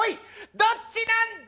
どっちなんだい！